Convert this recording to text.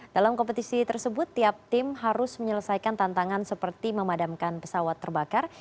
dalam kompetisi tersebut tiap tim harus menyelesaikan tantangan seperti memadamkan pesawat terbakar